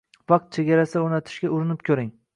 “Vaqt chegarasi” o‘rnatishga urinib ko‘ring: